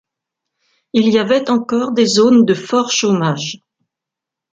Il y avait encore des zones de fort chômage.